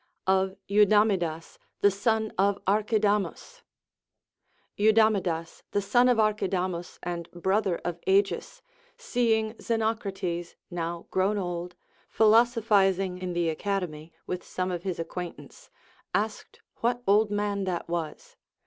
Of Eudamidas the Son of ArcJiidamus. Eudamidas, the son of Archidamus and brother of Agis, seeing Xenocrates, now groΛvn old, philosophizing in the Academy with some of his acquaintance, asked what old man that was.